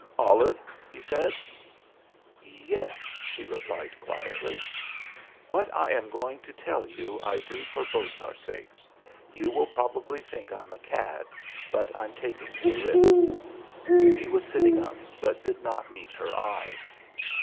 "Olive," he said. "Yes," she replied quietly. "What I am going to tell you I do for both our sakes. You will probably think I'm a cad, but I'm taking the risk." He was sitting up but did not meet her eyes.